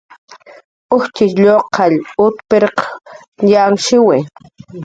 Ujtxitx lluqllaq ut pirq yanhshiwi